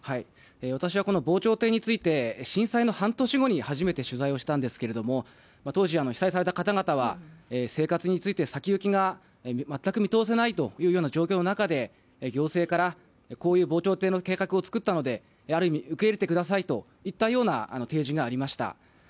私はこの防潮堤について、震災の半年後に初めて取材をしたんですけれども、当時、被災された方々は生活について先行きが全く見通せないという状況の中で、行政からこういう防潮堤の計画を作ったので、ある意味、受け入れてくださいといったような提示がありました。